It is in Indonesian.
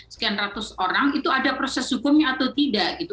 sekian ratus orang itu ada proses hukumnya atau tidak gitu